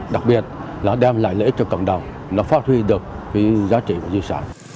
đặc biệt là đem lại lợi ích cho cộng đồng phát huy được giá trị của di sản